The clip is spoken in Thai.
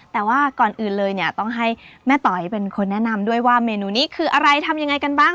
แต่ว่าก่อนอื่นเลยเนี่ยต้องให้แม่ต๋อยเป็นคนแนะนำด้วยว่าเมนูนี้คืออะไรทำยังไงกันบ้าง